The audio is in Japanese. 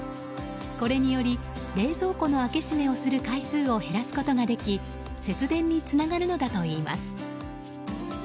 これにより冷蔵庫の開け閉めをする回数を減らすことができ節電につながるのだといいます。